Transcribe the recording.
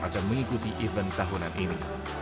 akan mengikuti event tahunan ini